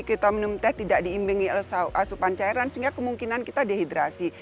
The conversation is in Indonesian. kita minum teh tidak diimbingi oleh asupan cairan sehingga kemungkinan kita dehidrasi